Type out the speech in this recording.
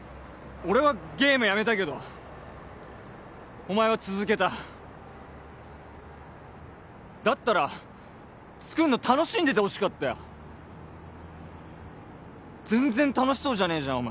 俺はゲームやめたけどお前は続けただったら作るの楽しんでてほしかったよ全然楽しそうじゃねえじゃん